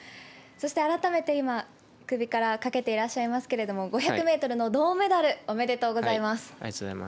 そして改めて今、首からかけていらっしゃいますけれども５００ｍの銅メダルおめでとうございます。